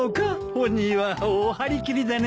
本人は大張り切りでね。